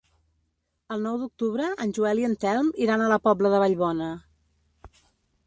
El nou d'octubre en Joel i en Telm iran a la Pobla de Vallbona.